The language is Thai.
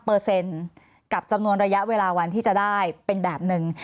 กับจำนวนระยะเวลาวันที่จะได้เป็นแบบหนึ่ง